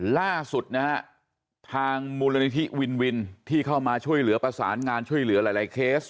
ล่าสุดนะฮะทางมูลนิธิวินวินที่เข้ามาช่วยเหลือประสานงานช่วยเหลือหลายเคส